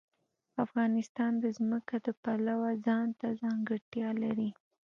افغانستان د ځمکه د پلوه ځانته ځانګړتیا لري.